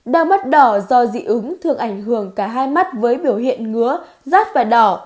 đau mắt đỏ do dị ứng thường ảnh hưởng cả hai mắt với biểu hiện ngứa rát và đỏ